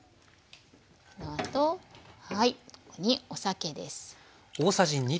このあとここにお酒です。